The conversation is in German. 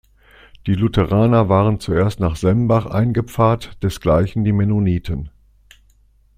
Die Lutheraner waren zuerst nach Sembach eingepfarrt, desgleichen die Mennoniten.